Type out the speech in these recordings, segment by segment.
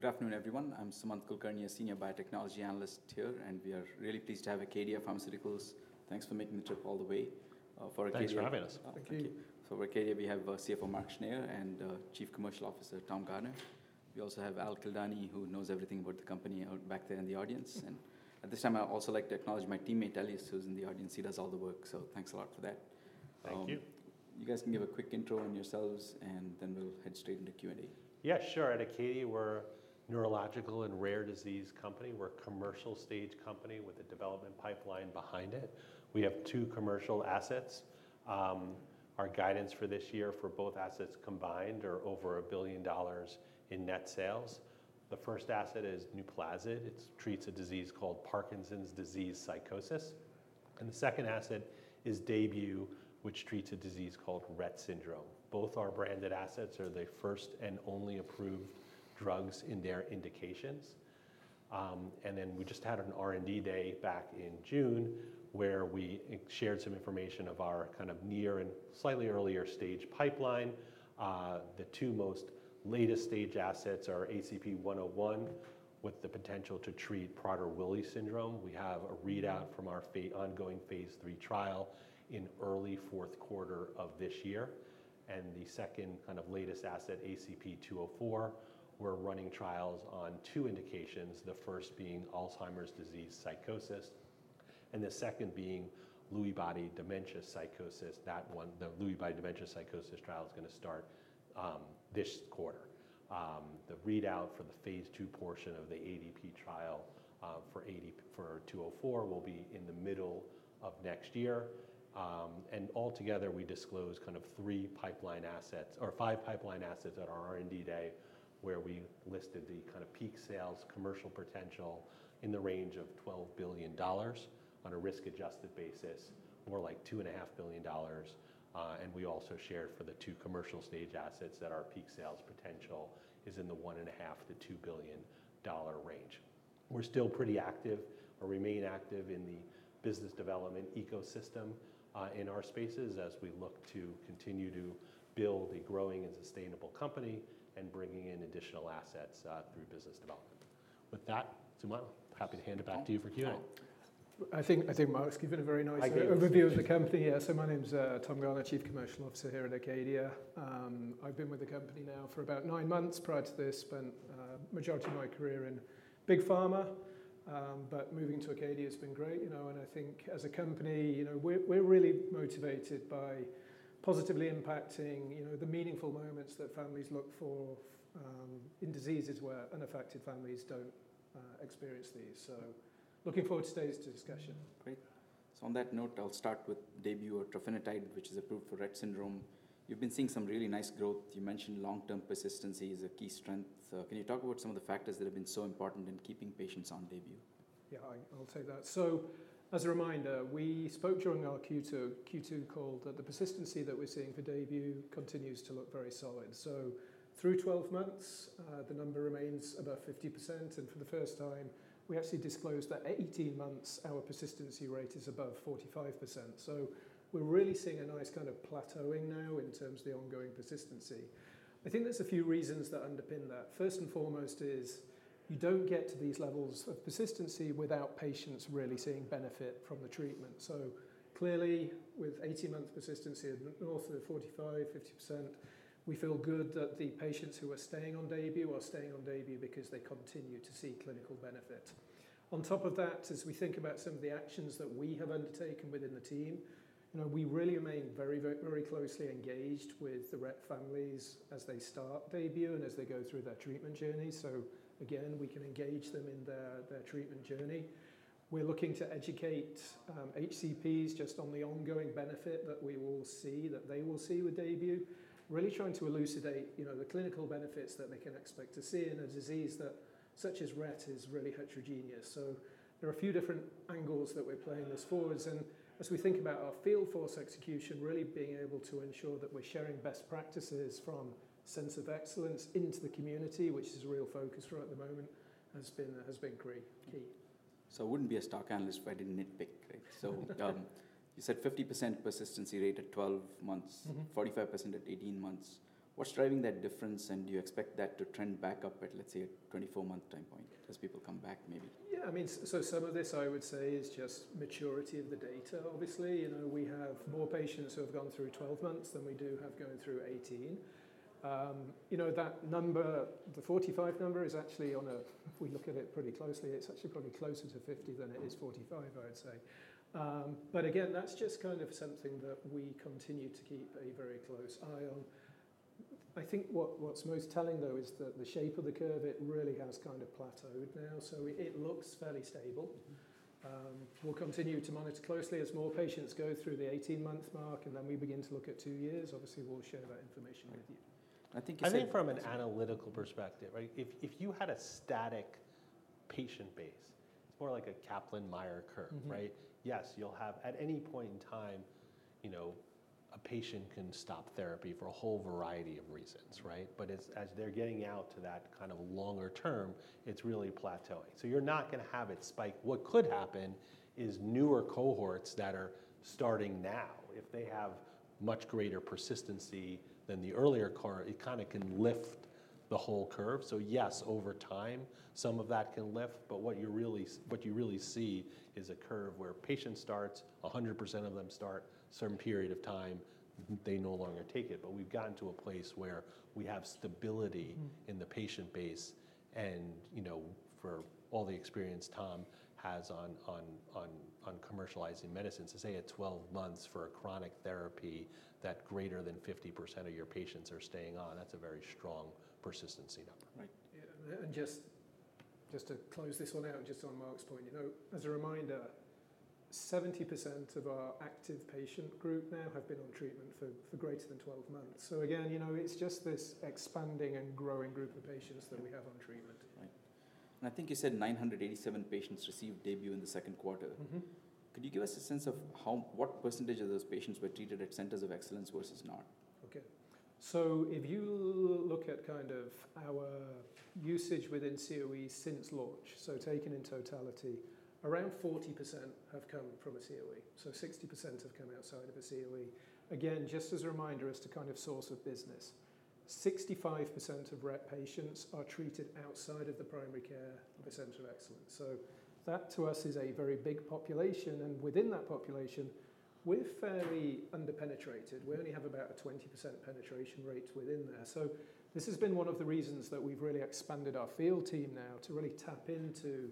Good afternoon, everyone. I'm Sumanth Kulkarni, a Senior Biotechnology Analyst here, and we are really pleased to have Acadia Pharmaceuticals. Thanks for making the trip all the way for Acadia. Thanks for having us. Thank you. For Acadia Pharmaceuticals, we have Chief Financial Officer Mark Schneyer and Chief Commercial Officer Tom Garner. We also have Al Kildani, who knows everything about the company out back there in the audience. At this time, I'd also like to acknowledge my teammate, Elliot, who's in the audience. He does all the work, so thanks a lot for that. Thank you. You guys can give a quick intro on yourselves, and then we'll head straight into Q&A. Yeah, sure. At Acadia, we're a neurological and rare disease company. We're a commercial stage company with a development pipeline behind it. We have two commercial assets. Our guidance for this year for both assets combined is over $1 billion in net sales. The first asset is NUPLAZID. It treats a disease called Parkinson’s disease psychosis. The second asset is DAYBUE, which treats a disease called Rett syndrome. Both are branded assets, or they're first and only approved drugs in their indications. We just had an R&D day back in June where we shared some information of our kind of near and slightly earlier stage pipeline. The two most latest stage assets are ACP-101, with the potential to treat Prader-Willi syndrome. We have a readout from our ongoing phase III trial in early fourth quarter of this year. The second kind of latest asset, ACP-204, we're running trials on two indications, the first being Alzheimer’s disease psychosis and the second being Lewy body dementia psychosis. That one, the Lewy body dementia psychosis trial, is going to start this quarter. The readout for the phase II portion of the ADP trial for 204 will be in the middle of next year. Altogether, we disclosed kind of three pipeline assets or five pipeline assets at our R&D day where we listed the kind of peak sales commercial potential in the range of $12 billion, on a risk-adjusted basis, more like $2.5 billion. We also shared for the two commercial stage assets that our peak sales potential is in the $1.5 billion-$2 billion range. We're still pretty active or remain active in the business development ecosystem in our spaces as we look to continue to build a growing and sustainable company and bringing in additional assets through business development. With that, Sumanth, happy to hand it back to you for Q&A. I think Mark's given a very nice overview of the company. My name's Tom Garner, Chief Commercial Officer here at Acadia. I've been with the company now for about nine months. Prior to this, I spent the majority of my career in big pharma. Moving to Acadia has been great, and I think as a company, we're really motivated by positively impacting the meaningful moments that families look for in diseases where unaffected families don't experience these. Looking forward to today's discussion. Great. On that note, I'll start with DAYBUE or trofinetide, which is approved for Rett syndrome. You've been seeing some really nice growth. You mentioned long-term persistency is a key strength. Can you talk about some of the factors that have been so important in keeping patients on DAYBUE? Yeah, I'll take that. As a reminder, we spoke during our Q2 call that the persistency that we're seeing for DAYBUE continues to look very solid. Through 12 months, the number remains above 50%. For the first time, we actually disclosed that at 18 months, our persistency rate is above 45%. We're really seeing a nice kind of plateauing now in terms of the ongoing persistency. I think there's a few reasons that underpin that. First and foremost is you don't get to these levels of persistency without patients really seeing benefit from the treatment. Clearly, with 18 months' persistency north of 45%, 50%, we feel good that the patients who are staying on DAYBUE are staying on DAYBUE because they continue to see clinical benefit. On top of that, as we think about some of the actions that we have undertaken within the team, we really remain very, very closely engaged with the Rett families as they start DAYBUE and as they go through their treatment journey. We can engage them in their treatment journey. We're looking to educate HCPs just on the ongoing benefit that we will see, that they will see with DAYBUE, really trying to elucidate the clinical benefits that they can expect to see in a disease that, such as Rett, is really heterogeneous. There are a few different angles that we're playing this forward. As we think about our field force execution, really being able to ensure that we're sharing best practices from centers of excellence into the community, which is a real focus right at the moment, has been key. I wouldn't be a stock analyst if I didn't nitpick. You said 50% persistency rate at 12 months, 45% at 18 months. What's driving that difference? Do you expect that to trend back up at, let's say, a 24-month time point as people come back maybe? Yeah, I mean, some of this I would say is just maturity of the data, obviously. We have more patients who have gone through 12 months than we do have going through 18. That number, the 45 number, is actually, if we look at it pretty closely, probably closer to 50 than it is 45, I would say. Again, that's just kind of something that we continue to keep a very close eye on. I think what's most telling though is that the shape of the curve really has kind of plateaued now. It looks fairly stable. We'll continue to monitor closely as more patients go through the 18-month mark and then we begin to look at two years. Obviously, we'll share that information with you. I think from an analytical perspective, if you had a static patient base, it's more like a Kaplan-Meier curve, right? Yes, you'll have at any point in time, you know, a patient can stop therapy for a whole variety of reasons, right? As they're getting out to that kind of longer term, it's really plateauing. You're not going to have it spike. What could happen is newer cohorts that are starting now, if they have much greater persistency than the earlier cohort, it kind of can lift the whole curve. Yes, over time, some of that can lift, but what you really see is a curve where a patient starts, 100% of them start, a certain period of time, they no longer take it. We've gotten to a place where we have stability in the patient base. For all the experience Tom has on commercializing medicines, to say at 12 months for a chronic therapy that greater than 50% of your patients are staying on, that's a very strong persistency number. Right. And just to close this one out, just on Mark's point, you know, as a reminder, 70% of our active patient group now have been on treatment for greater than 12 months. Again, you know, it's just this expanding and growing group of patients that we have on treatment. Right. I think you said 987 patients received DAYBUE in the second quarter. Could you give us a sense of what percentage of those patients were treated at centers of excellence versus not? Okay. If you look at kind of our usage within COE since launch, taken in totality, around 40% have come from a COE. 60% have come outside of a COE. Again, just as a reminder as to kind of source of business, 65% of Rett patients are treated outside of the primary care of a center of excellence. That to us is a very big population. Within that population, we're fairly underpenetrated. We only have about a 20% penetration rate within there. This has been one of the reasons that we've really expanded our field team now to really tap into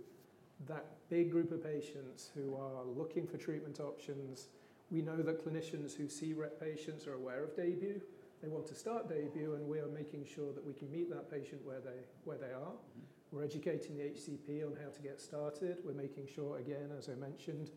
that big group of patients who are looking for treatment options. We know that clinicians who see Rett patients are aware of DAYBUE. They want to start DAYBUE, and we are making sure that we can meet that patient where they are. We're educating the HCP on how to get started. We're making sure, again, as I mentioned,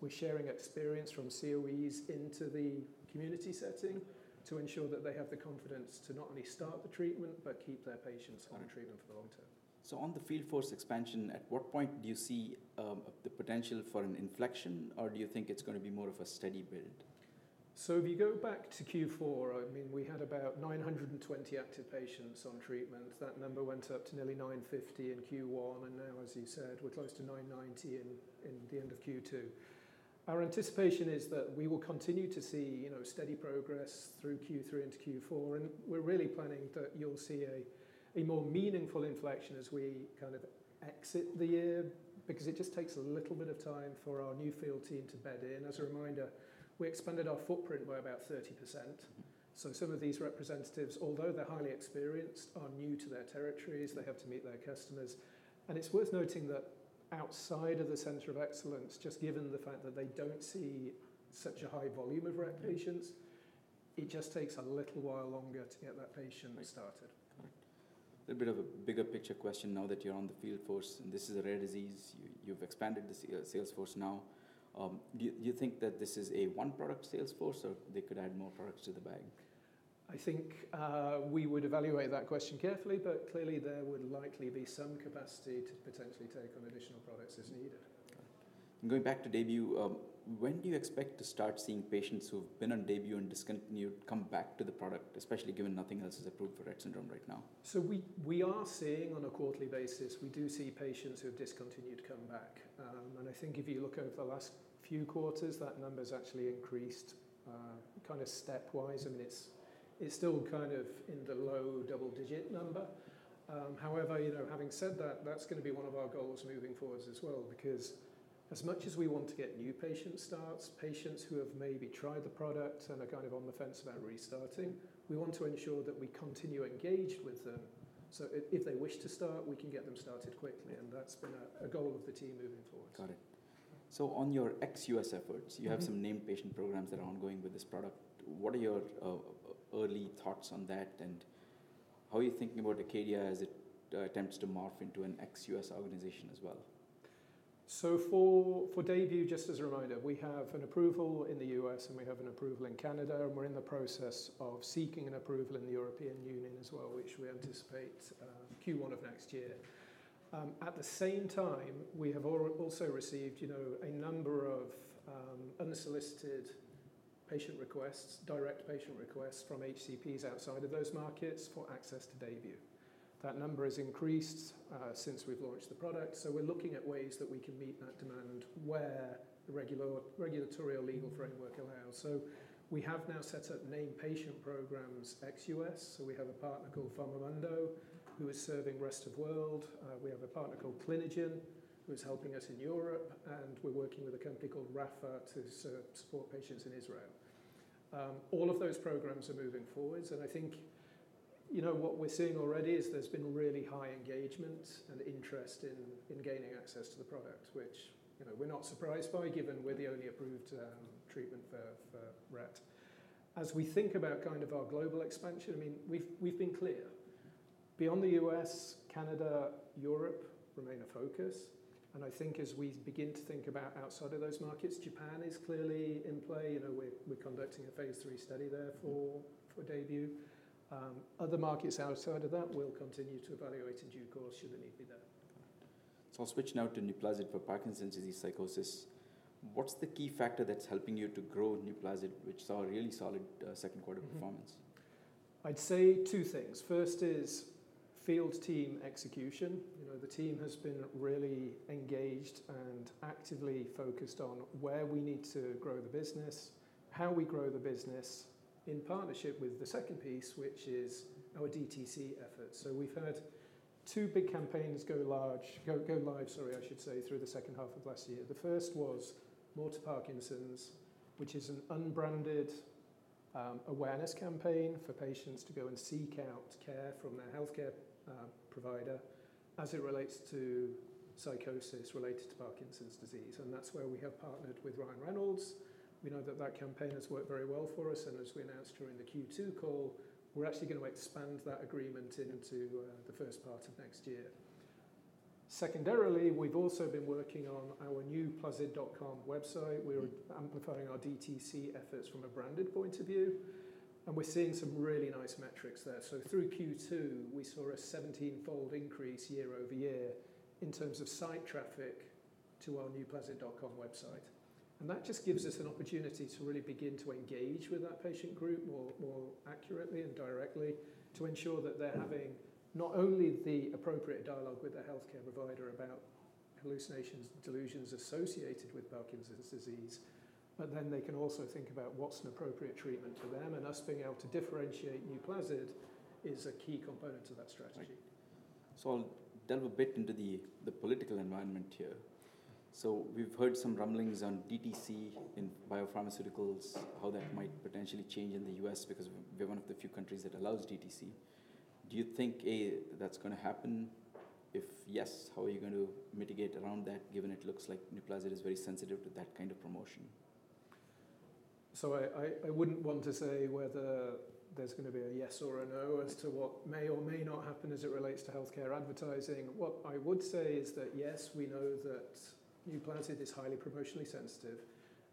we're sharing experience from COEs into the community setting to ensure that they have the confidence to not only start the treatment but keep their patients on treatment for a long time. On the field force expansion, at what point do you see the potential for an inflection, or do you think it's going to be more of a steady build? If you go back to Q4, we had about 920 active patients on treatment. That number went up to nearly 950 in Q1, and now, as you said, we're close to 990 at the end of Q2. Our anticipation is that we will continue to see steady progress through Q3 into Q4. We're really planning that you'll see a more meaningful inflection as we kind of exit the year because it just takes a little bit of time for our new field team to bed in. As a reminder, we expanded our footprint by about 30%. Some of these representatives, although they're highly experienced, are new to their territories. They have to meet their customers, and it's worth noting that outside of the center of excellence, just given the fact that they don't see such a high volume of Rett patients, it just takes a little while longer to get that patient started. A bit of a bigger picture question now that you're on the field force, and this is a rare disease. You've expanded the sales force now. Do you think that this is a one-product sales force, or they could add more products to the bag? I think we would evaluate that question carefully, but clearly there would likely be some capacity to potentially take on additional products as needed. Going back to DAYBUE, when do you expect to start seeing patients who've been on DAYBUE and discontinued come back to the product, especially given nothing else is approved for Rett syndrome right now? We are seeing on a quarterly basis, we do see patients who have discontinued come back. I think if you look over the last few quarters, that number's actually increased kind of step-wise. I mean, it's still kind of in the low double-digit number. However, having said that, that's going to be one of our goals moving forward as well because as much as we want to get new patient starts, patients who have maybe tried the product and are kind of on the fence about restarting, we want to ensure that we continue engaged with them. If they wish to start, we can get them started quickly. That's been a goal of the team moving forward. Got it. On your ex-U.S. efforts, you have some named patient programs that are ongoing with this product. What are your early thoughts on that? How are you thinking about Acadia as it attempts to morph into an ex-U.S. organization as well? For DAYBUE, just as a reminder, we have an approval in the U.S. and we have an approval in Canada. We're in the process of seeking an approval in the European Union as well, which we anticipate Q1 of next year. At the same time, we have also received a number of unsolicited patient requests, direct patient requests from HCPs outside of those markets for access to DAYBUE. That number has increased since we've launched the product. We're looking at ways that we can meet that demand where the regulatory or legal framework allows. We have now set up named patient programs ex-U.S. We have a partner called FarmaMondo, who is serving the rest of the world. We have a partner called Clinigen, who is helping us in Europe. We're working with a company called Rafa to support patients in Israel. All of those programs are moving forward. What we're seeing already is there's been really high engagement and interest in gaining access to the product, which we're not surprised by given we're the only approved treatment for Rett. As we think about kind of our global expansion, we've been clear. Beyond the U.S., Canada, Europe remain a focus. As we begin to think about outside of those markets, Japan is clearly in play. We're conducting a phase III study there for DAYBUE. Other markets outside of that we will continue to evaluate in due course should the need be there. I'll switch now to NUPLAZID for Parkinson's disease psychosis. What's the key factor that's helping you to grow NUPLAZID, which saw a really solid second quarter performance? I'd say two things. First is field team execution. The team has been really engaged and actively focused on where we need to grow the business, how we grow the business in partnership with the second piece, which is our DTC efforts. We've had two big campaigns go live through the second half of last year. The first was More to Parkinson’s, which is an unbranded awareness campaign for patients to go and seek out care from their healthcare provider as it relates to psychosis related to Parkinson’s disease. That’s where we have partnered with Ryan Reynolds. We know that that campaign has worked very well for us. As we announced during the Q2 call, we're actually going to expand that agreement into the first part of next year. Secondarily, we've also been working on our NUPLAZID.com website. We're amplifying our DTC efforts from a branded point of view, and we're seeing some really nice metrics there. Through Q2, we saw a 17-fold increase year over year in terms of site traffic to our NUPLAZID.com website. That just gives us an opportunity to really begin to engage with that patient group more accurately and directly to ensure that they're having not only the appropriate dialogue with their healthcare provider about hallucinations, delusions associated with Parkinson’s disease, but they can also think about what's an appropriate treatment to them. Us being able to differentiate NUPLAZID is a key component of that strategy. I'll delve a bit into the political environment here. We've heard some rumblings on DTC in biopharmaceuticals, how that might potentially change in the U.S. because we're one of the few countries that allows DTC. Do you think that's going to happen? If yes, how are you going to mitigate around that given it looks like NUPLAZID is very sensitive to that kind of promotion? I wouldn't want to say whether there's going to be a yes or a no as to what may or may not happen as it relates to healthcare advertising. What I would say is that yes, we know that NUPLAZID is highly promotionally sensitive,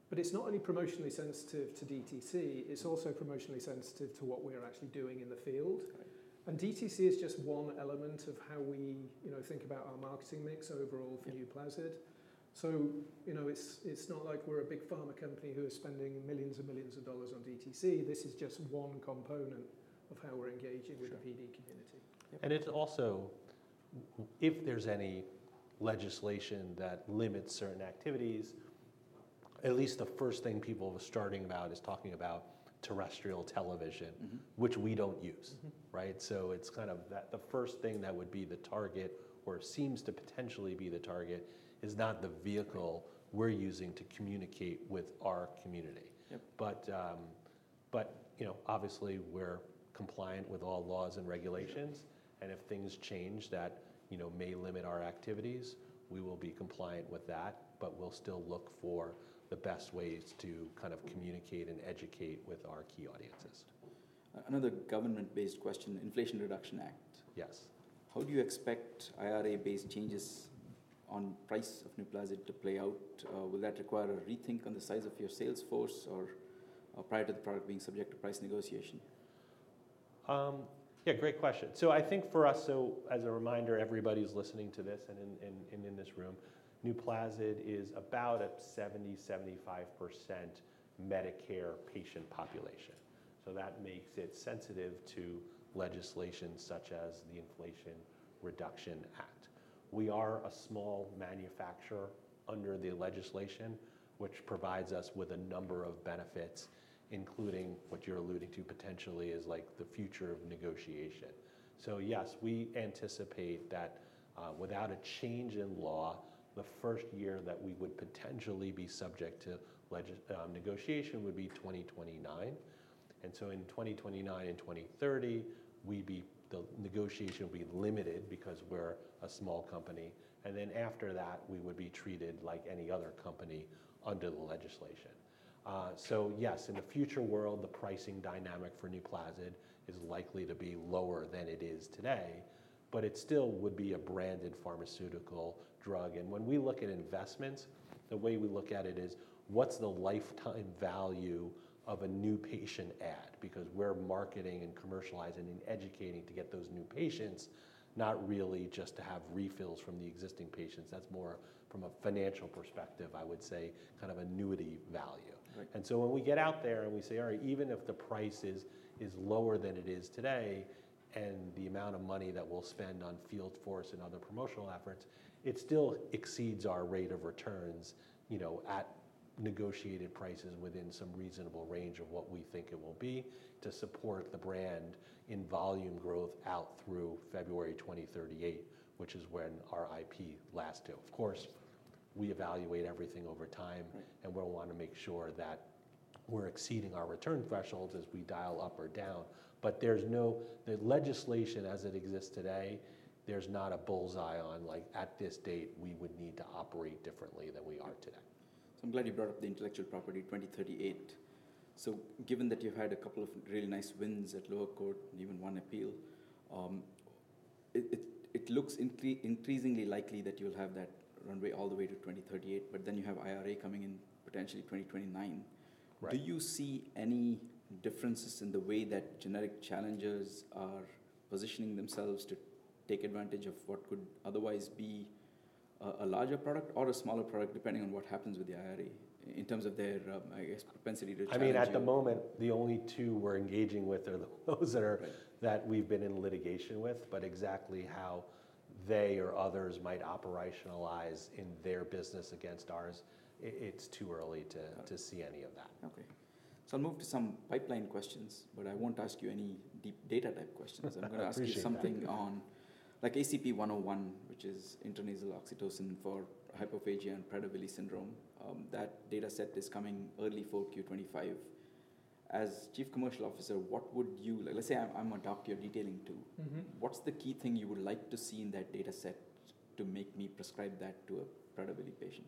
but it's not only promotionally sensitive to DTC, it's also promotionally sensitive to what we are actually doing in the field. DTC is just one element of how we think about our marketing mix overall for NUPLAZID. It's not like we're a big pharma company who is spending millions and millions of dollars on DTC. This is just one component of how we're engaging with the PD community. If there's any legislation that limits certain activities, at least the first thing people are talking about is terrestrial television, which we don't use, right? It seems that the first thing that would be the target or seems to potentially be the target is not the vehicle we're using to communicate with our community. Obviously, we're compliant with all laws and regulations. If things change that may limit our activities, we will be compliant with that, but we'll still look for the best ways to communicate and educate with our key audiences. Another government-based question, the Inflation Reduction Act. Yes. How do you expect Inflation Reduction Act-based changes on the price of NUPLAZID to play out? Will that require a rethink on the size of your field force or prior to the product being subject to price negotiation? Yeah, great question. I think for us, as a reminder, everybody who's listening to this and in this room, NUPLAZID is about a 70%-75% Medicare patient population. That makes it sensitive to legislation such as the Inflation Reduction Act. We are a small manufacturer under the legislation, which provides us with a number of benefits, including what you're alluding to potentially is like the future of negotiation. Yes, we anticipate that without a change in law, the first year that we would potentially be subject to negotiation would be 2029. In 2029 and 2030, the negotiation would be limited because we're a small company. After that, we would be treated like any other company under the legislation. Yes, in the future world, the pricing dynamic for NUPLAZID is likely to be lower than it is today, but it still would be a branded pharmaceutical drug. When we look at investments, the way we look at it is what's the lifetime value of a new patient ad, because we're marketing and commercializing and educating to get those new patients, not really just to have refills from the existing patients. That's more from a financial perspective, I would say, kind of annuity value. When we get out there and we say, all right, even if the price is lower than it is today and the amount of money that we'll spend on field force and other promotional efforts, it still exceeds our rate of returns at negotiated prices within some reasonable range of what we think it will be to support the brand in volume growth out through February 2038, which is when our IP last due. Of course, we evaluate everything over time, and we'll want to make sure that we're exceeding our return thresholds as we dial up or down. The legislation as it exists today, there's not a bull's eye on like at this date, we would need to operate differently than we are today. I'm glad you brought up the intellectual property 2038. Given that you had a couple of really nice wins at lower court and even won appeal, it looks increasingly likely that you'll have that runway all the way to 2038, but then you have IRA coming in potentially 2029. Do you see any differences in the way that generic challengers are positioning themselves to take advantage of what could otherwise be a larger product or a smaller product, depending on what happens with the IRA in terms of their, I guess, propensity to change? At the moment, the only two we're engaging with are the closer that we've been in litigation with, but exactly how they or others might operationalize in their business against ours, it's too early to see any of that. Okay. I'll move to some pipeline questions, but I won't ask you any deep data type questions. I'm going to ask you something on ACP-101, which is intranasal carbetocin for hypophagia and Prader-Willi syndrome. That data set is coming early Q1 2025. As Chief Commercial Officer, what would you, let's say I'm a doctor you're detailing to, what's the key thing you would like to see in that data set to make me prescribe that to a Prader-Willi patient?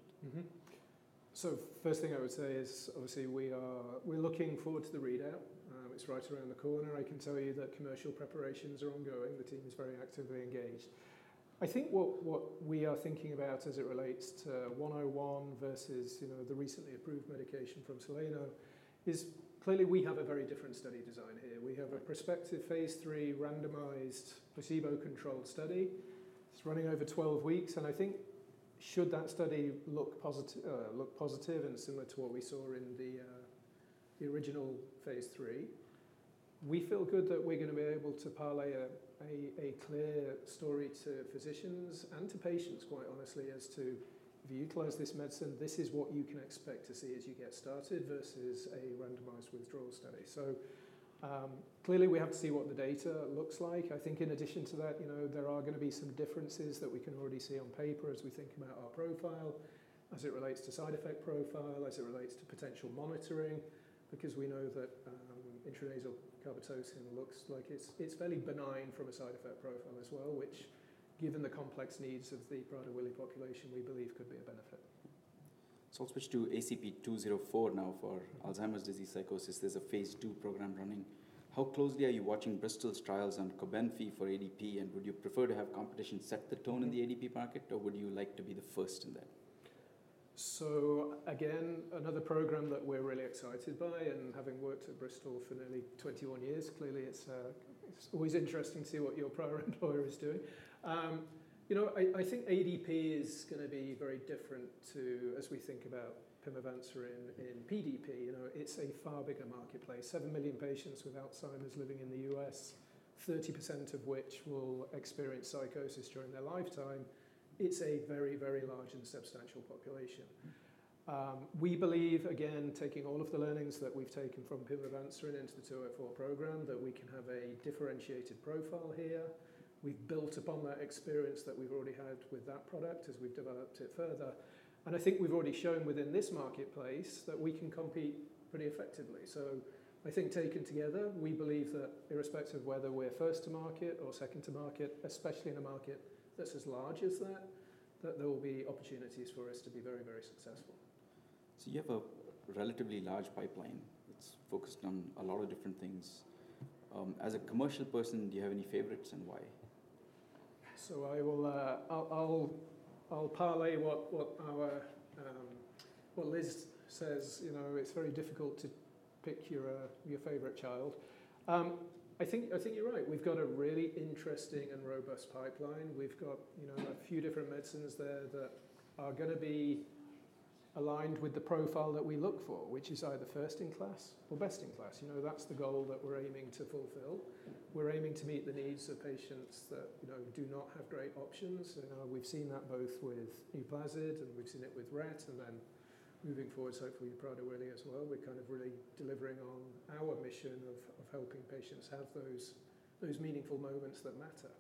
First thing I would say is obviously we are looking forward to the readout. It's right around the corner. I can tell you that commercial preparations are ongoing. The team is very actively engaged. I think what we are thinking about as it relates to ACP-101 versus, you know, the recently approved medication from Soleno is clearly we have a very different study design here. We have a prospective phase III randomized placebo-controlled study. It's running over 12 weeks. I think should that study look positive and similar to what we saw in the original phase III, we feel good that we're going to be able to parlay a clear story to physicians and to patients, quite honestly, as to if you utilize this medicine, this is what you can expect to see as you get started versus a randomized withdrawal study. Clearly we have to see what the data looks like. I think in addition to that, there are going to be some differences that we can already see on paper as we think about our profile, as it relates to side effect profile, as it relates to potential monitoring, because we know that intranasal carbetocin looks like it's fairly benign from a side effect profile as well, which given the complex needs of the Prader-Willi population, we believe could be a benefit. I'll switch to ACP-204 now for Alzheimer's disease psychosis. There's a phase II program running. How closely are you watching Bristol's trials on Carbamfine for ADP, and would you prefer to have competition set the tone in the ADP market, or would you like to be the first in that? Again, another program that we're really excited by, and having worked at Bristol for nearly 21 years, clearly it's always interesting to see what your prior employer is doing. I think ADP is going to be very different to, as we think about NUPLAZID in Parkinson’s disease psychosis. It's a far bigger marketplace. Seven million patients with Alzheimer's living in the U.S., 30% of which will experience psychosis during their lifetime. It's a very, very large and substantial population. We believe, again, taking all of the learnings that we've taken from NUPLAZID into the ACP-204 program, that we can have a differentiated profile here. We've built upon that experience that we've already had with that product as we've developed it further. I think we've already shown within this marketplace that we can compete pretty effectively. Taken together, we believe that irrespective of whether we're first to market or second to market, especially in a market that's as large as that, there will be opportunities for us to be very, very successful. You have a relatively large pipeline that's focused on a lot of different things. As a commercial person, do you have any favorites and why? I'll parlay what Liz says. It's very difficult to pick your favorite child. I think you're right. We've got a really interesting and robust pipeline. We've got a few different medicines there that are going to be aligned with the profile that we look for, which is either first in class or best in class. That's the goal that we're aiming to fulfill. We're aiming to meet the needs of patients that do not have great options. We've seen that both with NUPLAZID and we've seen it with rett. Moving forward, hopefully the Prader-Willi as well. We're really delivering on our mission of helping patients have those meaningful moments that matter.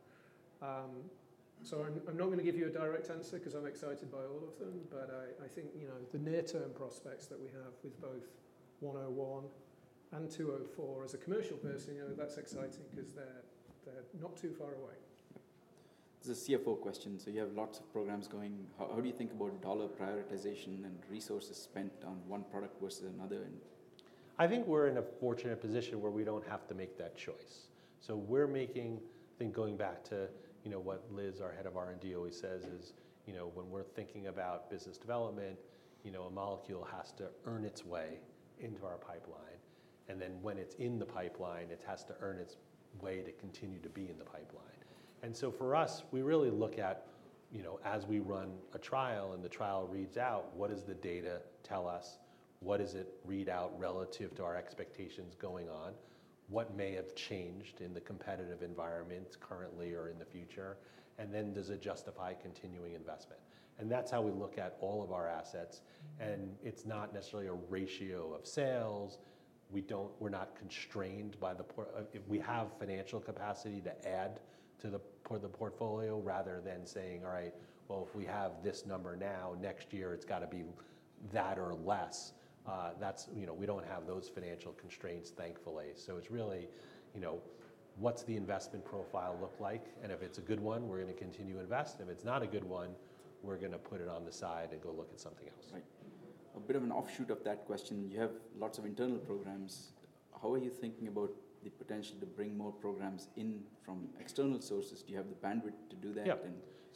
I'm not going to give you a direct answer because I'm excited by all of them, but I think the near-term prospects that we have with both ACP-101 and ACP-204 as a commercial person, that's exciting because they're not too far away. This is a CFO question. You have lots of programs going. How do you think about dollar prioritization and resources spent on one product versus another? I think we're in a fortunate position where we don't have to make that choice. We're making, I think, going back to what Liz, our Head of R&D, always says, when we're thinking about business development, a molecule has to earn its way into our pipeline. When it's in the pipeline, it has to earn its way to continue to be in the pipeline. For us, we really look at, as we run a trial and the trial reads out, what does the data tell us? What does it read out relative to our expectations going on? What may have changed in the competitive environment currently or in the future? Does it justify continuing investment? That's how we look at all of our assets. It's not necessarily a ratio of sales. We're not constrained by the, if we have financial capacity to add to the portfolio rather than saying, all right, if we have this number now, next year it's got to be that or less. We don't have those financial constraints, thankfully. It's really, what's the investment profile look like? If it's a good one, we're going to continue to invest. If it's not a good one, we're going to put it on the side and go look at something else. Right. A bit of an offshoot of that question. You have lots of internal programs. How are you thinking about the potential to bring more programs in from external sources? Do you have the bandwidth to do that? Yeah,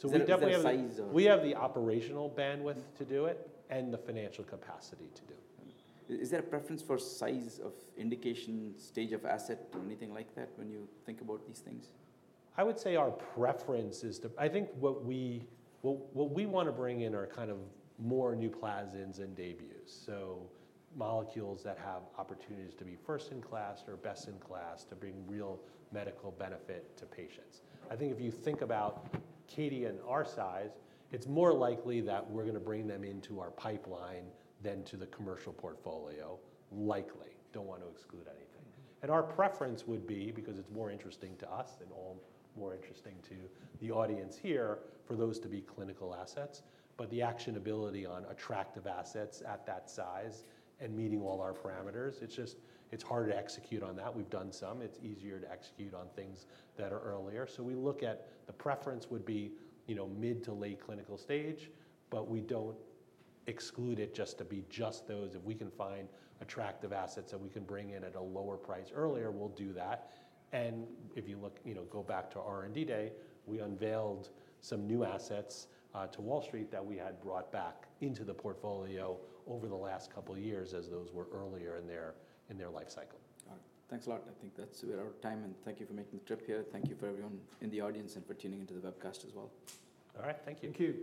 we definitely have the operational bandwidth to do it and the financial capacity to do it. Is there a preference for size of indication, stage of asset, or anything like that when you think about these things? I would say our preference is to, I think what we want to bring in are kind of more NUPLAZIDs and DAYBUEs. So molecules that have opportunities to be first in class or best in class to bring real medical benefit to patients. I think if you think about Acadia and our size, it's more likely that we're going to bring them into our pipeline than to the commercial portfolio, likely. Don't want to exclude anything. Our preference would be, because it's more interesting to us and more interesting to the audience here, for those to be clinical assets. The actionability on attractive assets at that size and meeting all our parameters, it's just, it's harder to execute on that. We've done some. It's easier to execute on things that are earlier. We look at the preference would be, you know, mid to late clinical stage, but we don't exclude it to just those. If we can find attractive assets that we can bring in at a lower price earlier, we'll do that. If you look, go back to R&D day, we unveiled some new assets to Wall Street that we had brought back into the portfolio over the last couple of years as those were earlier in their life cycle. Got it. Thanks a lot. I think that's about our time. Thank you for making the trip here. Thank you to everyone in the audience and for tuning into the webcast as well. All right. Thank you. Thank you.